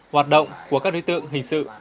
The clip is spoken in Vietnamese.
hoạt động của các đối tượng hình sự